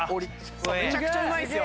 むちゃくちゃうまいですよ。